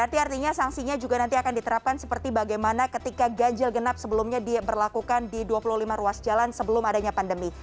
artinya sanksinya juga nanti akan diterapkan seperti bagaimana ketika ganjil genap sebelumnya diberlakukan di dua puluh lima ruas jalan sebelum adanya pandemi